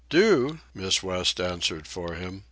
"Do?" Miss West answered for him.